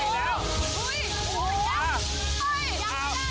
เลย